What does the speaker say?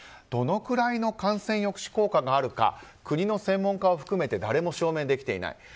どのくらいの感染抑止効果があるか国の専門家を含めて誰も証明できていない。